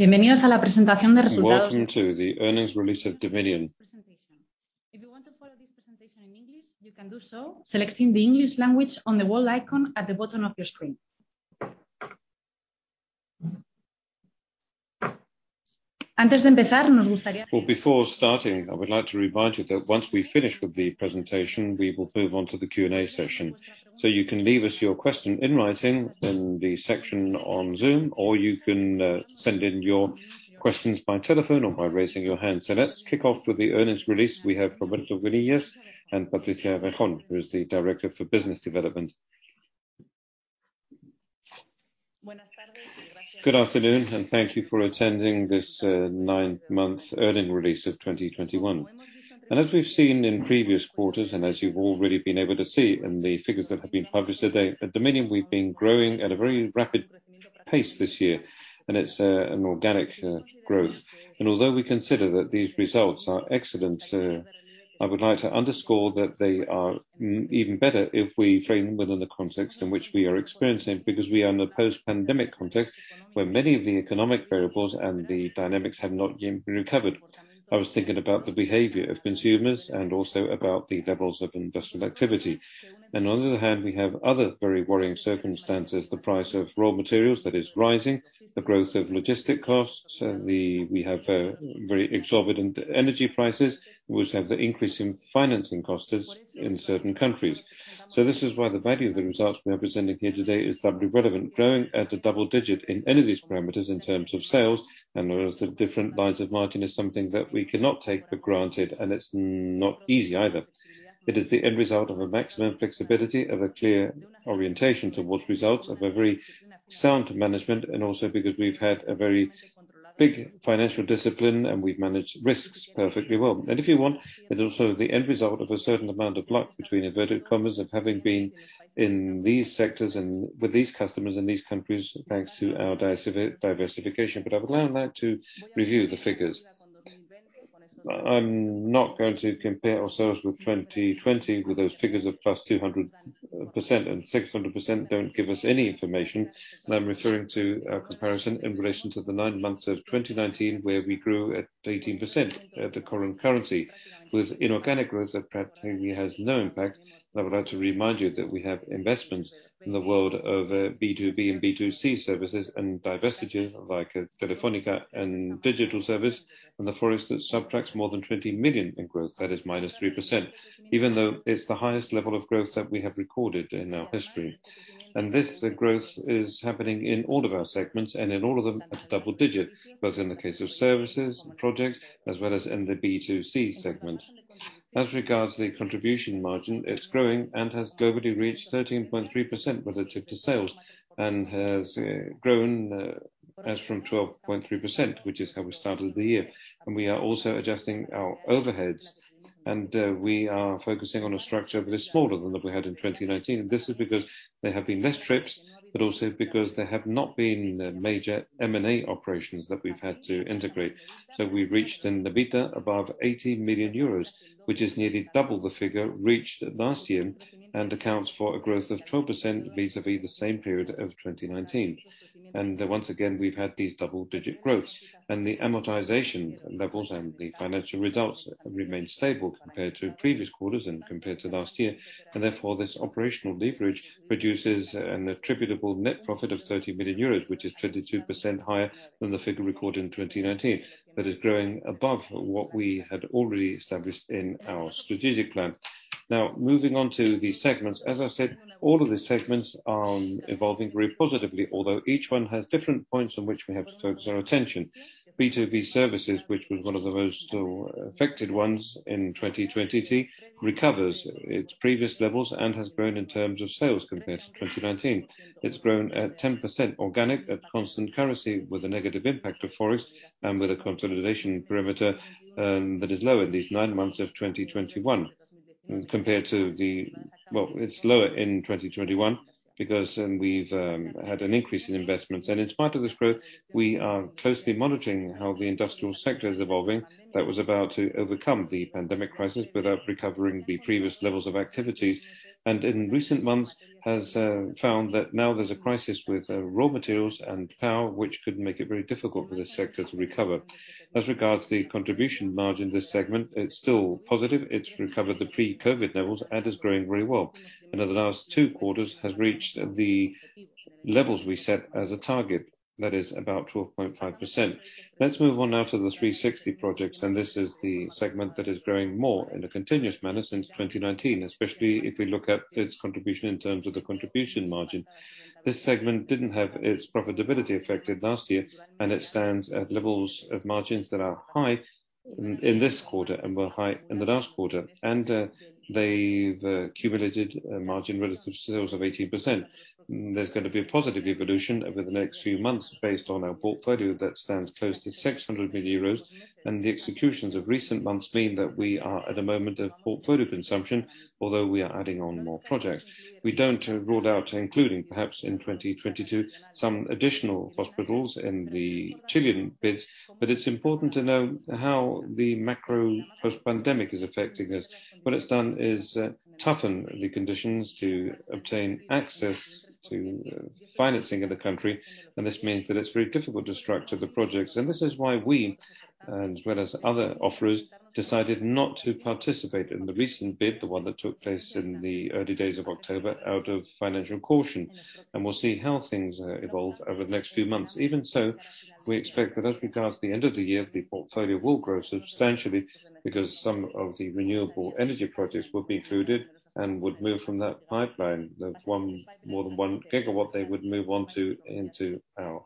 Welcome to the earnings release of Dominion. Well, before starting, I would like to remind you that once we finish with the presentation, we will move on to the Q&A session. You can leave us your question in writing in the section on Zoom, or you can send in your questions by telephone or by raising your hand. Let's kick off with the earnings release we have Roberto Tobillas and Patricia Berjón, who is the Director for Business Development. Good afternoon, and thank you for attending this nine-month earnings release of 2021. We've seen in previous quarters, and as you've already been able to see in the figures that have been published today, at Dominion, we've been growing at a very rapid pace this year, and it's an organic growth. Although we consider that these results are excellent, I would like to underscore that they are even better if we frame within the context in which we are experiencing, because we are in a post-pandemic context where many of the economic variables and the dynamics have not yet been recovered. I was thinking about the behavior of consumers and also about the levels of industrial activity. On the other hand, we have other very worrying circumstances, the price of raw materials that is rising, the growth of logistic costs. We have very exorbitant energy prices, we also have the increase in financing costs in certain countries. This is why the value of the results we are presenting here today is doubly relevant. Growing at a double digit in any of these parameters in terms of sales and with the different lines of margin is something that we cannot take for granted, and it's not easy either. It is the end result of a maximum flexibility, of a clear orientation towards results, of a very sound management, and also because we've had a very big financial discipline, and we've managed risks perfectly well. If you want, it's also the end result of a certain amount of luck, between inverted commas, of having been in these sectors and with these customers in these countries, thanks to our diversification. I would now like to review the figures. I'm not going to compare ourselves with 2020, with those figures of +200% and 600% don't give us any information, and I'm referring to our comparison in relation to the nine months of 2019, where we grew at 18% at the current currency. With inorganic growth that practically has no impact, I would like to remind you that we have investments in the world of B2B and B2C services and divestitures, like Telefónica and digital service, and the Forest that subtracts more than 20 million in growth, that is -3%, even though it's the highest level of growth that we have recorded in our history. This growth is happening in all of our segments and in all of them at double-digit, both in the case of services and projects, as well as in the B2C segment. As regards to the contribution margin, it's growing and has globally reached 13.3% relative to sales and has grown as from 12.3%, which is how we started the year. We are also adjusting our overheads, and we are focusing on a structure that is smaller than what we had in 2019. This is because there have been less trips, but also because there have not been the major M&A operations that we've had to integrate. We reached an EBITDA above 80 million euros, which is nearly double the figure reached last year and accounts for a growth of 12% vis-à-vis the same period of 2019. Once again, we've had these double-digit growths. The amortization levels and the financial results remain stable compared to previous quarters and compared to last year. Therefore, this operational leverage produces an attributable net profit of 30 million euros, which is 22% higher than the figure recorded in 2019. That is growing above what we had already established in our strategic plan. Now, moving on to the segments. As I said, all of the segments are evolving very positively, although each one has different points on which we have to focus our attention. B2B services, which was one of the most affected ones in 2020, recovers its previous levels and has grown in terms of sales compared to 2019. It's grown at 10% organic at constant currency with a negative impact of Forex and with a consolidation perimeter that is low in these nine months of 2021 compared to. Well, it's lower in 2021 because then we've had an increase in investments. In spite of this growth, we are closely monitoring how the industrial sector is evolving. That was about to overcome the pandemic crisis without recovering the previous levels of activities, and in recent months has found that now there's a crisis with raw materials and power, which could make it very difficult for this sector to recover. As regards to the contribution margin, this segment, it's still positive. It's recovered the pre-COVID levels and is growing very well. In the last two quarters has reached the levels we set as a target. That is about 12.5%. Let's move on now to the 360 Projects, and this is the segment that is growing more in a continuous manner since 2019, especially if we look at its contribution in terms of the contribution margin. This segment didn't have its profitability affected last year, and it stands at levels of margins that are high in this quarter and were high in the last quarter. They've accumulated a margin relative to sales of 18%. There's going to be a positive evolution over the next few months based on our portfolio that stands close to 600 million euros, and the executions of recent months mean that we are at a moment of portfolio consumption, although we are adding on more projects. We don't rule out including, perhaps in 2022, some additional hospitals in the Chilean bids. It's important to know how the macro post-pandemic is affecting us. What it's done is toughen the conditions to obtain access to financing in the country, and this means that it's very difficult to structure the projects. This is why we, and as well as other offerors, decided not to participate in the recent bid, the one that took place in the early days of October, out of financial caution. We'll see how things evolve over the next few months. Even so, we expect that as we go out to the end of the year, the portfolio will grow substantially because some of the renewable energy projects will be included and would move from that pipeline. More than 1 gigawatt, they would move on to, into our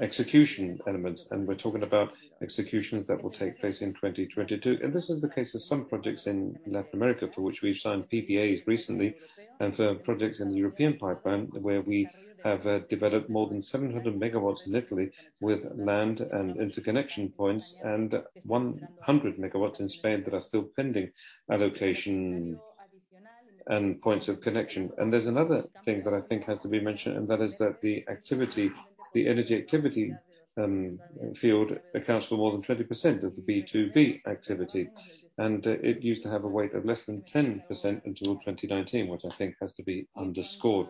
execution element. We're talking about executions that will take place in 2022. This is the case of some projects in Latin America, for which we've signed PPAs recently, and for projects in the European pipeline, where we have developed more than 700 MW in Italy with land and interconnection points, and 100 MW in Spain that are still pending allocation and points of connection. There's another thing that I think has to be mentioned, and that is that the activity, the energy activity, field accounts for more than 20% of the B2B activity. It used to have a weight of less than 10% until 2019, which I think has to be underscored.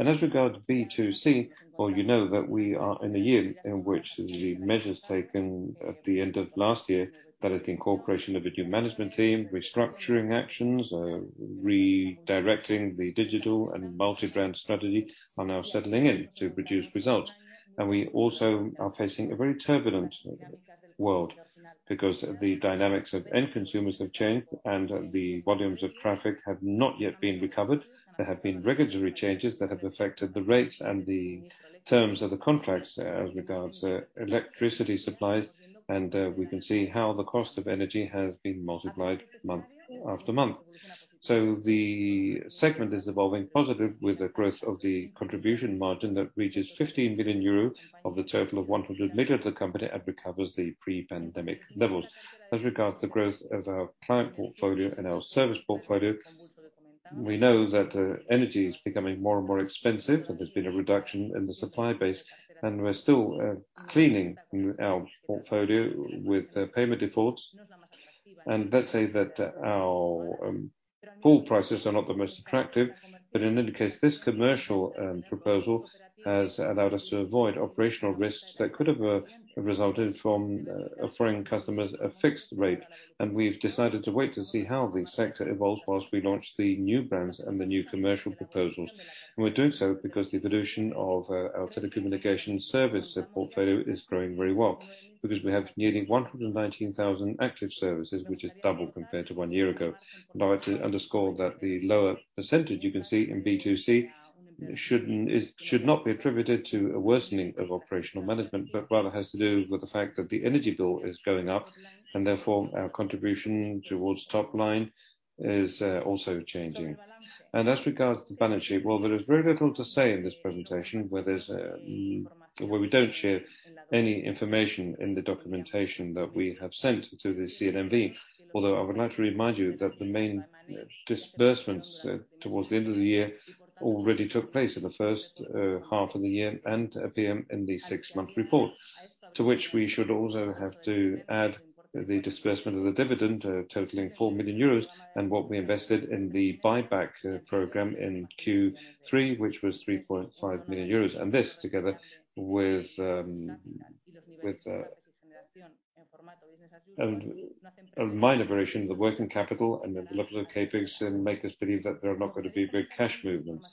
As regards B2C, well, you know that we are in a year in which the measures taken at the end of last year, that is the incorporation of a new management team, restructuring actions, redirecting the digital and multi-brand strategy, are now settling in to produce results. We also are facing a very turbulent world because the dynamics of end consumers have changed and the volumes of traffic have not yet been recovered. There have been regulatory changes that have affected the rates and the terms of the contracts as regards electricity supplies. We can see how the cost of energy has been multiplied month after month. The segment is evolving positive with the growth of the contribution margin that reaches 15 billion euro of the total of 100 million of the company and recovers the pre-pandemic levels. As regards to growth of our client portfolio and our service portfolio, we know that energy is becoming more and more expensive, and there's been a reduction in the supply base, and we're still cleaning our portfolio with payment defaults. Let's say that our pool prices are not the most attractive, but in any case, this commercial proposal has allowed us to avoid operational risks that could have resulted from offering customers a fixed rate. We've decided to wait to see how the sector evolves while we launch the new brands and the new commercial proposals. We're doing so because the evolution of our telecommunication service portfolio is growing very well because we have nearly 119,000 active services, which is double compared to one year ago. I would like to underscore that the lower percentage you can see in B2C should not be attributed to a worsening of operational management, but rather has to do with the fact that the energy bill is going up and therefore our contribution towards top line is also changing. As regards to balance sheet, well, there is very little to say in this presentation, where we don't share any information in the documentation that we have sent to the CNMV. Although I would like to remind you that the main disbursements towards the end of the year already took place in the first half of the year and appear in the six-month report. To which we should also have to add the disbursement of the dividend, totaling 4 million euros, and what we invested in the buyback program in Q3, which was 3.5 million euros. This, together with a minor variation of the working capital and the level of CapEx, make us believe that there are not gonna be big cash movements.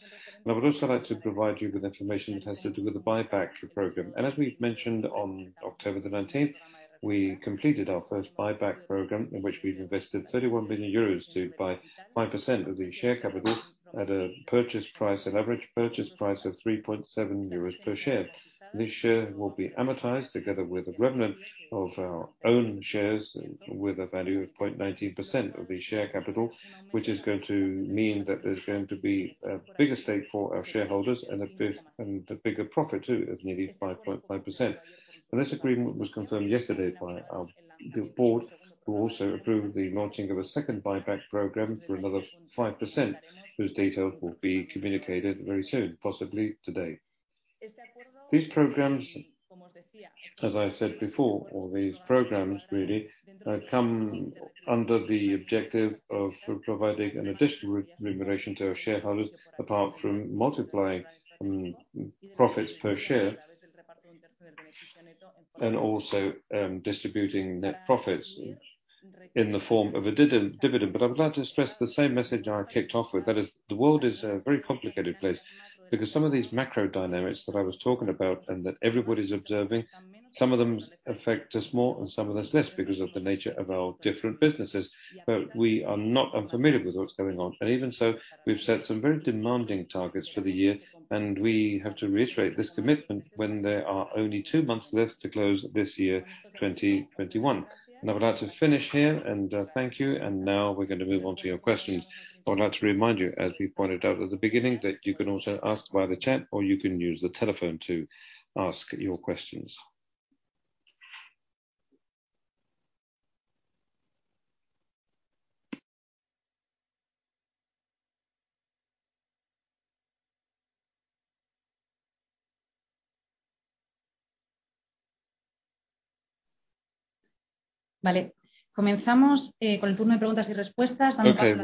I would also like to provide you with information that has to do with the buyback program. As we've mentioned on October 19, we completed our first buyback program, in which we've invested 31 million euros to buy 5% of the share capital at a purchase price, an average purchase price of 3.7 euros per share. This share will be amortized together with a remnant of our own shares with a value of 0.19% of the share capital, which is going to mean that there's going to be a bigger stake for our shareholders and a bigger profit too of nearly 5.5%. This agreement was confirmed yesterday by our board, who also approved the launching of a second buyback program for another 5%, whose data will be communicated very soon, possibly today. These programs, as I said before, come under the objective of providing an additional remuneration to our shareholders, apart from multiplying profits per share, and also distributing net profits in the form of a dividend. I would like to stress the same message I kicked off with. That is, the world is a very complicated place because some of these macro dynamics that I was talking about and that everybody's observing, some of them affect us more and some of us less because of the nature of our different businesses. We are not unfamiliar with what's going on. Even so, we've set some very demanding targets for the year, and we have to reiterate this commitment when there are only two months left to close this year, 2021. I would like to finish here, and thank you. Now we're gonna move on to your questions. I would like to remind you, as we pointed out at the beginning, that you can also ask via the chat, or you can use the telephone to ask your questions. Okay, we're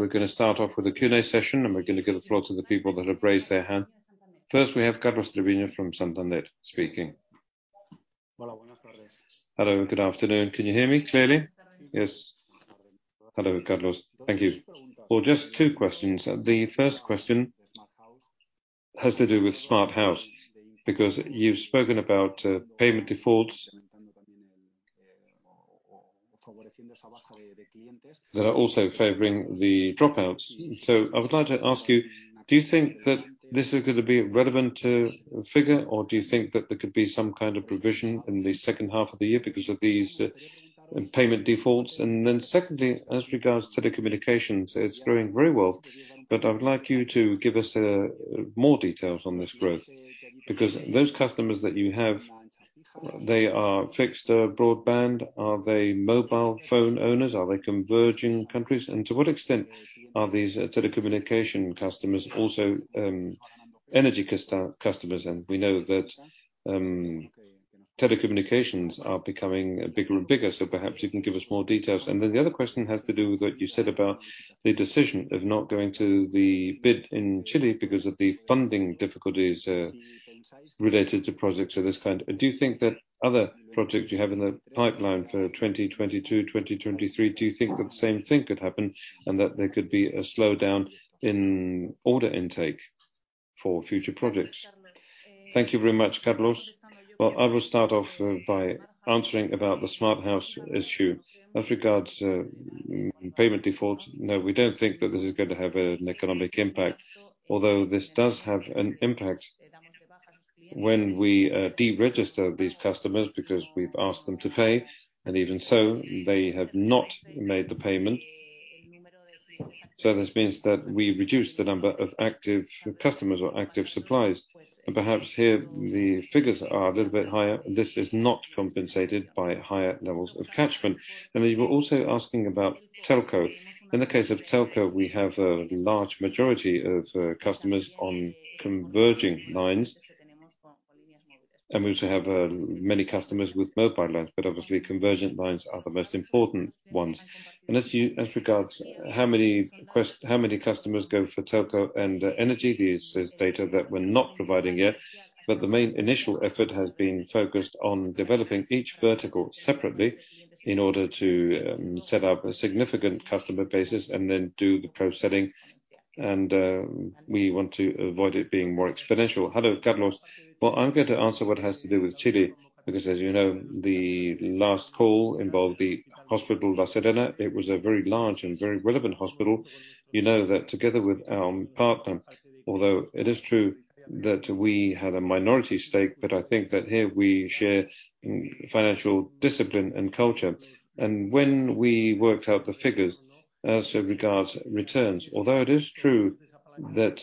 gonna start off with the Q&A session, and we're gonna give the floor to the people that have raised their hand. First, we have Carlos Treviño from Santander speaking. Hello, good afternoon. Can you hear me clearly? Yes. Hello, Carlos. Thank you. Well, just two questions. The first question has to do with Smart House, because you've spoken about payment defaults that are also favoring the dropouts. I would like to ask you, do you think that this is gonna be relevant to figure, or do you think that there could be some kind of provision in the second half of the year because of these payment defaults? Secondly, as regards to the communications, it's growing very well. I would like you to give us more details on this growth, because those customers that you have, they are fixed broadband. Are they mobile phone owners? Are they converging customers? To what extent are these telecommunication customers also energy customers? We know that telecommunications are becoming bigger and bigger, so perhaps you can give us more details. The other question has to do with what you said about the decision of not going to the bid in Chile because of the funding difficulties related to projects of this kind. Do you think that other projects you have in the pipeline for 2022, 2023, do you think that the same thing could happen and that there could be a slowdown in order intake for future projects? Thank you very much, Carlos Treviño. Well, I will start off by answering about the Smart House issue. As regards to payment defaults, no, we don't think that this is going to have an economic impact. Although this does have an impact when we de-register these customers because we've asked them to pay, and even so, they have not made the payment. This means that we reduce the number of active customers or active supplies. Perhaps here the figures are a little bit higher. This is not compensated by higher levels of catchment. You were also asking about telco. In the case of telco, we have a large majority of customers on converging lines. We also have many customers with mobile lines, but obviously convergent lines are the most important ones. As regards how many customers go for telco and energy, this is data that we're not providing yet. The main initial effort has been focused on developing each vertical separately in order to set up a significant customer base and then do the processing. We want to avoid it being more exponential. Hello, Carlos. Well, I'm going to answer what has to do with Chile, because as you know, the last call involved the Hospital La Serena. It was a very large and very relevant hospital. You know that together with our partner, although it is true that we had a minority stake, but I think that here we share financial discipline and culture. When we worked out the figures as regards returns, although it is true that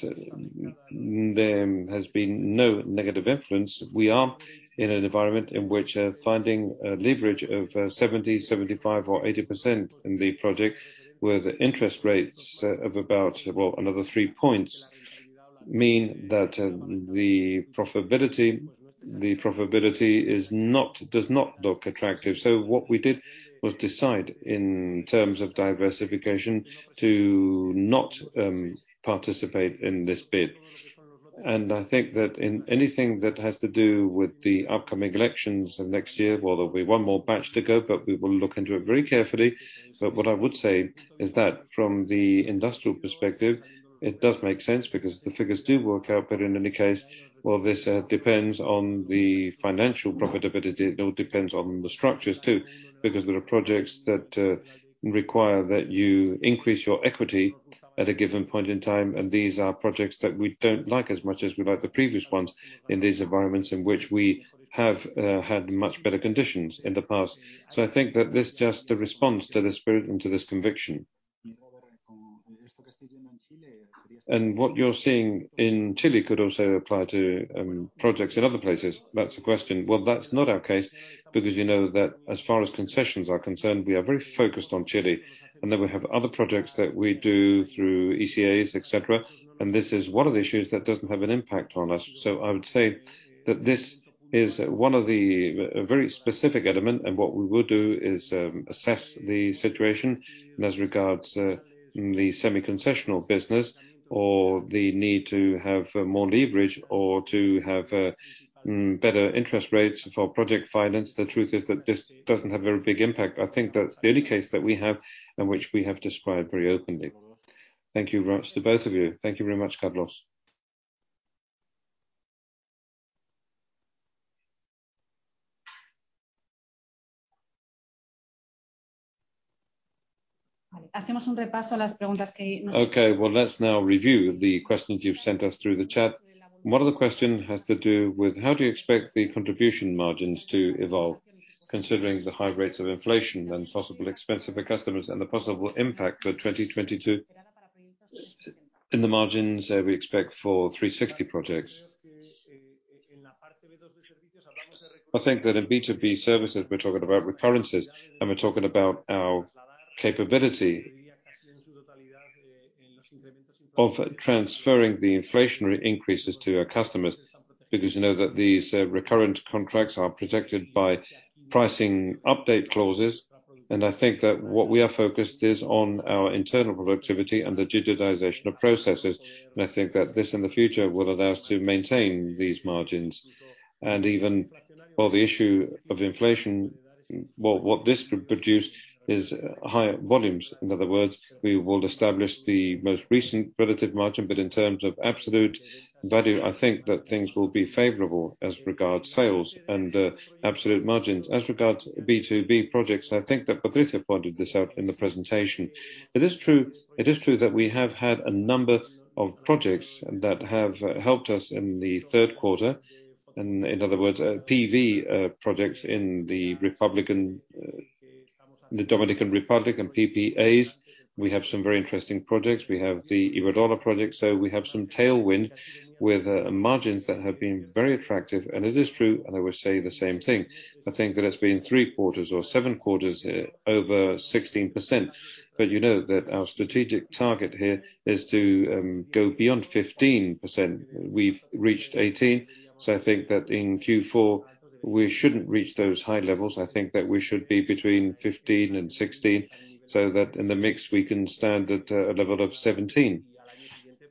there has been no negative influence, we are in an environment in which finding a leverage of 70, 75, or 80% in the project with interest rates of about, well, another three points mean that the profitability does not look attractive. What we did was decide in terms of diversification to not participate in this bid. I think that in anything that has to do with the upcoming elections of next year, well, there'll be one more batch to go, but we will look into it very carefully. What I would say is that from the industrial perspective, it does make sense because the figures do work out. In any case, this depends on the financial profitability. It all depends on the structures too, because there are projects that require that you increase your equity at a given point in time, and these are projects that we don't like as much as we like the previous ones in these environments in which we have had much better conditions in the past. I think that this is just a response to the spirit and to this conviction. What you're seeing in Chile could also apply to projects in other places. That's the question. Well, that's not our case, because you know that as far as concessions are concerned, we are very focused on Chile. Then we have other projects that we do through ECAs, et cetera. This is one of the issues that doesn't have an impact on us. I would say that this is one of the, a very specific element, and what we will do is, assess the situation and as regards, the semi-concessional business or the need to have more leverage or to have, better interest rates for project finance. The truth is that this doesn't have a very big impact. I think that's the only case that we have in which we have described very openly. Thank you very much to both of you. Thank you very much, Carlos. Okay. Well, let's now review the questions you've sent us through the chat. One of the questions has to do with how do you expect the contribution margins to evolve, considering the high rates of inflation and possible expenses of the customers and the possible impact for 2022 in the margins that we expect for 360 Projects. I think that in B2B services, we're talking about recurring, and we're talking about our capability of transferring the inflationary increases to our customers, because you know that these recurrent contracts are protected by pricing update clauses. I think that what we are focused on is our internal productivity and the digitization of processes. I think that this in the future will allow us to maintain these margins. Even while the issue of inflation, well, what this could produce is higher volumes. In other words, we will establish the most recent relative margin, but in terms of absolute value, I think that things will be favorable as regards sales and absolute margins. As regards B2B projects, I think that Patricia pointed this out in the presentation. It is true that we have had a number of projects that have helped us in the third quarter, and in other words, PV projects in the Dominican Republic and PPAs. We have some very interesting projects. We have the Iberdrola project, so we have some tailwind with margins that have been very attractive. It is true, and I will say the same thing, I think that it's been three quarters or seven quarters over 16%. You know that our strategic target here is to go beyond 15%. We've reached 18%, so I think that in Q4 we shouldn't reach those high levels. I think that we should be between 15% and 16%, so that in the mix, we can stand at a level of 17%.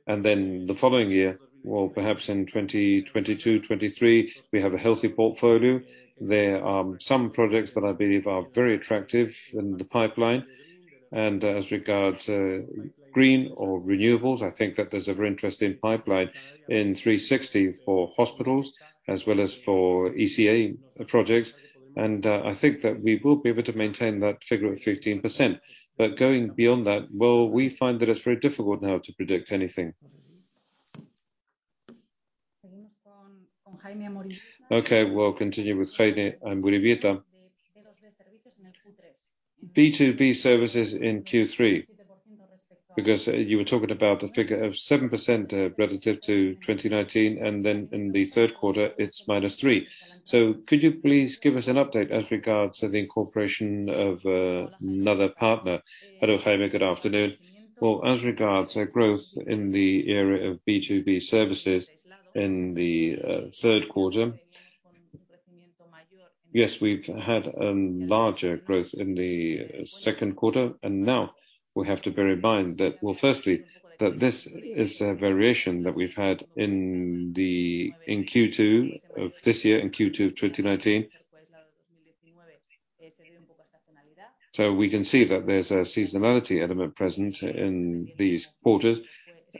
Then the following year, or perhaps in 2022, 2023, we have a healthy portfolio. There are some projects that I believe are very attractive in the pipeline. As regards green or renewables, I think that there's a very interesting pipeline in 360 for hospitals as well as for ECA projects. I think that we will be able to maintain that figure of 15%. Going beyond that, well, we find that it's very difficult now to predict anything. Okay, we'll continue with Jaime Muribierta. B2B services in Q3. Because you were talking about a figure of 7%, relative to 2019, and then in the third quarter, it's -3%. Could you please give us an update as regards to the incorporation of another partner? Hello, Jaime, good afternoon. Well, as regards our growth in the area of B2B services in the third quarter, yes, we've had larger growth in the second quarter, and now we have to bear in mind that. Well, firstly, that this is a variation that we've had in Q2 of this year and Q2 of 2019. We can see that there's a seasonality element present in these quarters.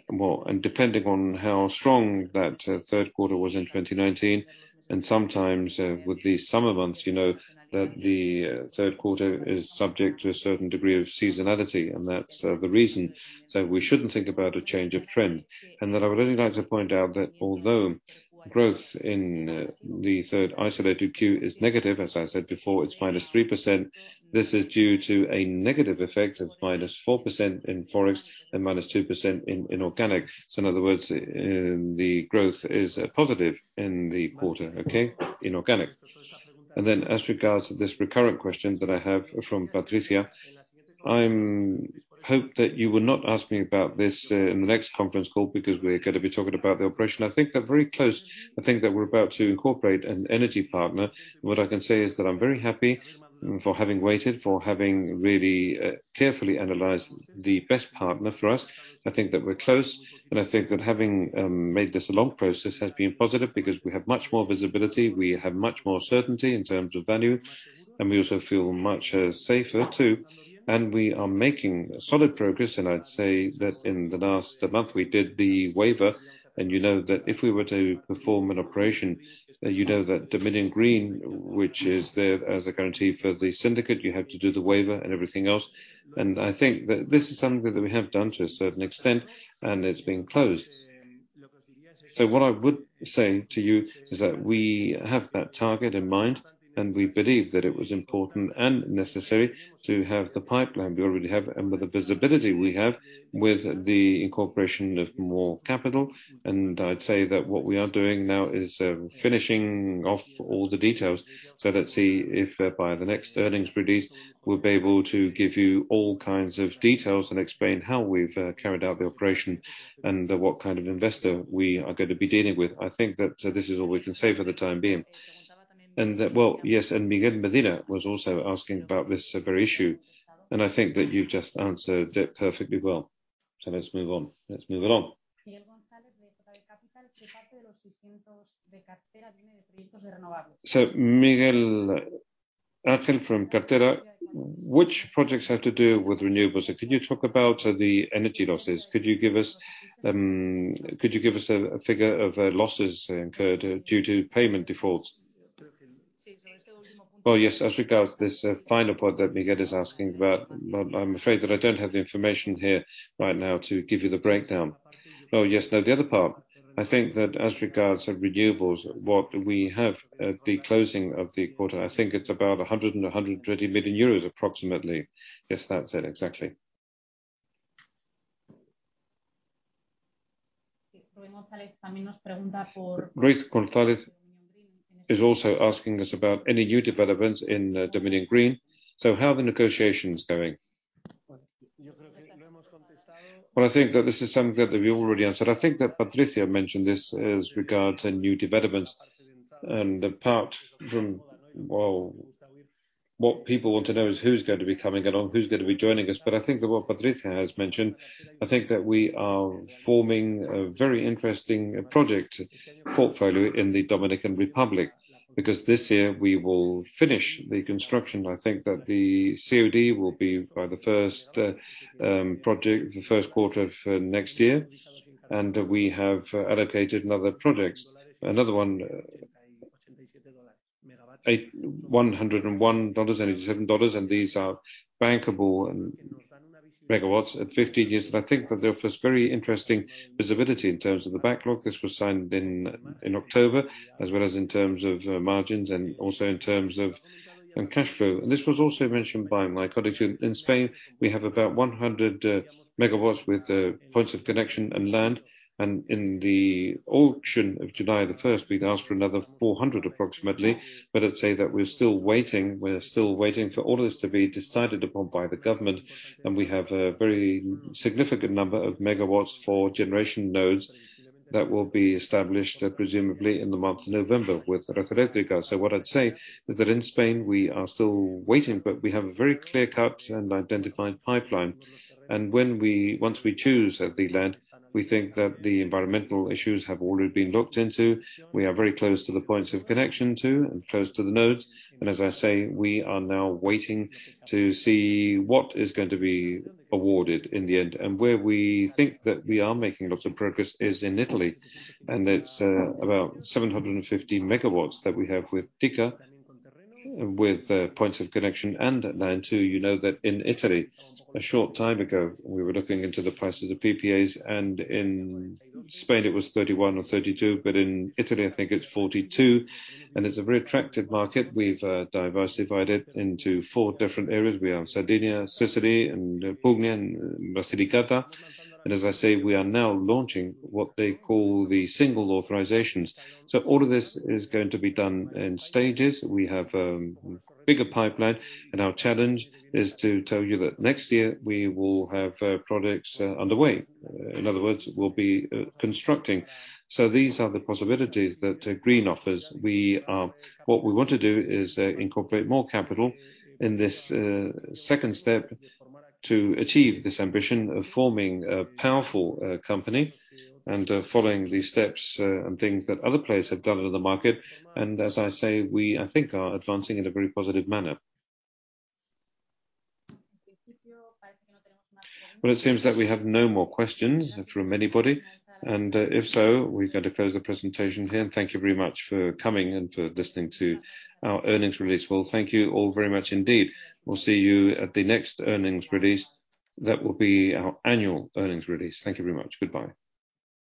Well, depending on how strong that third quarter was in 2019, and sometimes, with the summer months, you know that the third quarter is subject to a certain degree of seasonality, and that's the reason that we shouldn't think about a change of trend. I would really like to point out that although growth in the third isolated Q is negative, as I said before, it's -3%, this is due to a negative effect of -4% in Forex and -2% in organic. In other words, in organic the growth is positive in the quarter, okay? As regards to this recurrent question that I have from Patricia, I hope that you will not ask me about this in the next conference call because we're gonna be talking about the operation. I think they're very close. I think that we're about to incorporate an energy partner. What I can say is that I'm very happy for having waited, for having really carefully analyzed the best partner for us. I think that we're close, and I think that having made this a long process has been positive because we have much more visibility, we have much more certainty in terms of value, and we also feel much safer, too. We are making solid progress, and I'd say that in the last month, we did the waiver, and you know that if we were to perform an operation, you know that DOMINION Green, which is there as a guarantee for the syndicate, you have to do the waiver and everything else. I think that this is something that we have done to a certain extent, and it's being closed. What I would say to you is that we have that target in mind, and we believe that it was important and necessary to have the pipeline we already have and with the visibility we have with the incorporation of more capital. I'd say that what we are doing now is finishing off all the details. Let's see if by the next earnings release, we'll be able to give you all kinds of details and explain how we've carried out the operation and what kind of investor we are gonna be dealing with. I think that this is all we can say for the time being. Well, yes, and Ruxandra González was also asking about this very issue, and I think that you've just answered it perfectly well. Let's move on. Let's move along. Miguel Ángel from Cartera, which projects have to do with renewables? Could you talk about the energy losses? Could you give us a figure of losses incurred due to payment defaults? Well, yes, as regards this final point that Miguel is asking about, well, I'm afraid that I don't have the information here right now to give you the breakdown. Oh, yes. Now the other part, I think that as regards our renewables, what we have at the closing of the quarter, I think it's about 120 million euros approximately. Yes, that's it exactly. Ruxandra González is also asking us about any new developments in Dominion Green. How are the negotiations going? Well, I think that this is something that we already answered. I think that Patricia mentioned this as regards new developments. Apart from, well, what people want to know is who's going to be coming along, who's gonna be joining us, but I think that what Patricia has mentioned, I think that we are forming a very interesting project portfolio in the Dominican Republic, because this year we will finish the construction. I think that the COD will be by the first project, the first quarter of next year. We have allocated another project, one, 101 and 87 megawatts, and these are bankable at 15 years. I think that there is very interesting visibility in terms of the backlog. This was signed in October, as well as in terms of margins and also in terms of cash flow. This was also mentioned by Mikel. In Spain, we have about 100 MW with points of connection and land. In the auction of July 1, we'd asked for another 400 approximately. But I'd say that we're still waiting for all this to be decided upon by the government. We have a very significant number of megawatts for generation nodes that will be established, presumably in the month of November with Red Eléctrica. What I'd say is that in Spain, we are still waiting, but we have a very clear-cut and identified pipeline. When we Once we choose the land, we think that the environmental issues have already been looked into. We are very close to the points of connection too, and close to the nodes. As I say, we are now waiting to see what is going to be awarded in the end. Where we think that we are making lots of progress is in Italy, and it's about 750 MW that we have with Terna, with points of connection and land too. You know that in Italy, a short time ago, we were looking into the price of the PPAs, and in Spain it was 31 or 32, but in Italy, I think it's 42. It's a very attractive market. We've diversified it into four different areas. We have Sardinia, Sicily, Puglia and Basilicata. As I say, we are now launching what they call the single authorizations. All of this is going to be done in stages. We have bigger pipeline, and our challenge is to tell you that next year we will have products underway. In other words, we'll be constructing. These are the possibilities that Green offers. What we want to do is incorporate more capital in this second step to achieve this ambition of forming a powerful company and following the steps and things that other players have done in the market. As I say, we, I think, are advancing in a very positive manner. Well, it seems that we have no more questions from anybody. If so, we're going to close the presentation here, and thank you very much for coming and for listening to our earnings release. Well, thank you all very much indeed. We'll see you at the next earnings release. That will be our annual earnings release. Thank you very much. Goodbye.